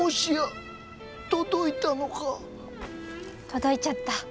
届いちゃった。